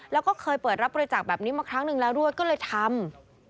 แล้วก็เคยเปิดรับบริจาคแบบนี้มาครั้งหนึ่งแล้วด้วยก็เลยทำ